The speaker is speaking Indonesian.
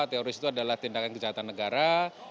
teroris itu adalah tindakan kejahatan negara